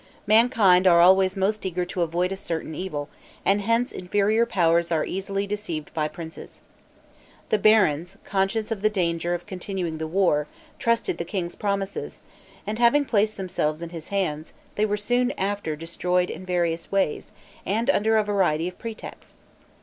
Mankind are always most eager to avoid a certain evil; and hence inferior powers are easily deceived by princes. The barons, conscious of the danger of continuing the war, trusted the king's promises, and having placed themselves in his hands, they were soon after destroyed in various ways, and under a variety of pretexts.